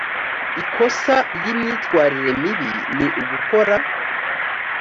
ikosa ry imyitwarire mibi ni ugukora